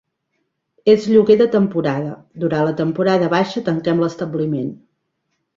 És lloguer de temporada, durant temporada baixa tanquem l'establiment.